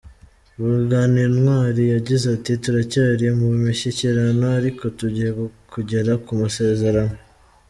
Ruganintwali yagize ati “Turacyari mu mishyikirano, ariko tugiye kugera ku masezerano.